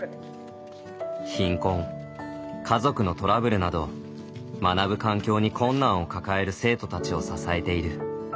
貧困家族のトラブルなど学ぶ環境に困難を抱える生徒たちを支えている。